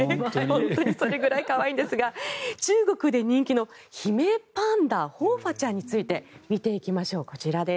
本当にそれぐらい可愛いんですが中国で人気の姫パンダ和花ちゃんについて見ていきましょう。